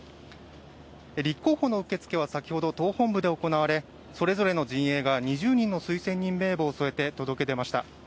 立候補の受付は先ほど党本部で行われそれぞれの陣営が２０人の推薦人名簿を添えて届け出ました。